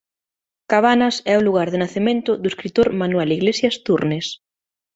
Cabanas é o lugar de nacemento do escritor Manuel Iglesias Turnes.